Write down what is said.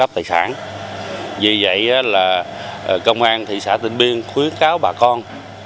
vì vậy là công an thị xã tịnh biên khuyến cáo bà con